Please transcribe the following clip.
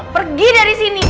pergi dari sini